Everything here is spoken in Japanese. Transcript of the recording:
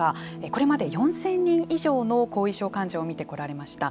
これまで４０００人以上の後遺症患者を診てこられました